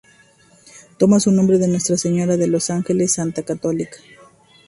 Toma su nombre de nuestra Señora de Los Ángeles, santa católica.